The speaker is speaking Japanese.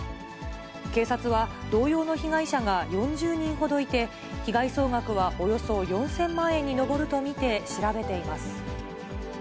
警察は、同様の被害者が４０人ほどいて、被害総額はおよそ４０００万円に上ると見て、調べています。